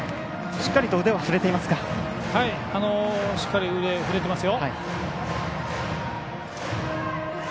しっかり、腕振れてますよ。